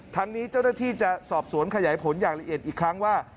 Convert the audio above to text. ทั้งนี้เจ้าหน้าที่จะสอบสวนขยายผลอย่างละเอียดอีกครั้งว่า